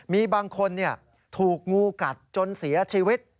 มีบางคนถูกงูกัดจนเสียชีวิต